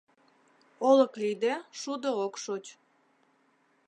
Олык лийде, шудо ок шоч.